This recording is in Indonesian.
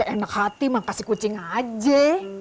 enak hati makasih kucing aja